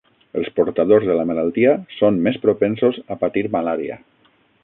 Els portadors de la malaltia són més propensos a patir malària.